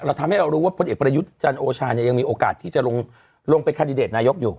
ทำให้เรารู้ว่าพลเอกประยุทธ์จันทร์โอชาเนี่ยยังมีโอกาสที่จะลงเป็นคันดิเดตนายกอยู่